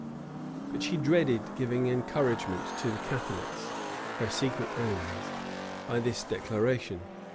But she dreaded giving encouragement to the Catholics, her secret enemies, by this declaration.